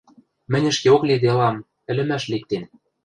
— Мӹнь ӹшкеок лиделам, ӹлӹмӓш ликтен...